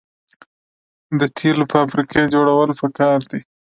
د تیلو فابریکې جوړول پکار دي.